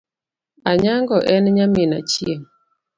Anyango en nyamin Achieng .